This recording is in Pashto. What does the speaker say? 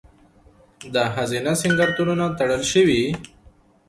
د ښځینه سینګارتونونه تړل شوي؟